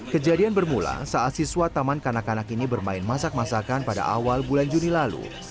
kejadian bermula saat siswa taman kanak kanak ini bermain masak masakan pada awal bulan juni lalu